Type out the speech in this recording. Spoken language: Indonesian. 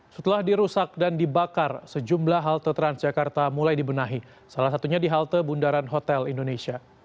setelah dirusak dan dibakar sejumlah halte transjakarta mulai dibenahi salah satunya di halte bundaran hotel indonesia